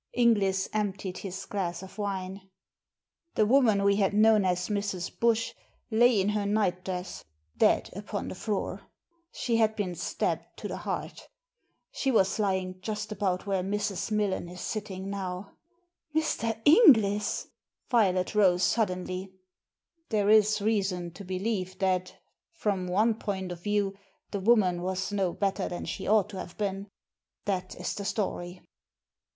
Inglis emptied his glass of wine. "The woman we had known as Mrs. Bush lay in her nightdress, dead upon the floor. She had been Digitized by VjOOQIC 268 THE SEEN AND THE UNSEEN stabbed to the heart She was lying just about where Mrs. Millen is sitting now." Mr. Inglis !" Violet rose suddenly. "There is reason to believe that, from one point of view, the woman was no better than she ought to have been. That is the story."